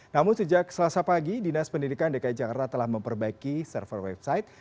namun sejak selasa pagi dinas pendidikan dki jakarta telah memperbaiki server website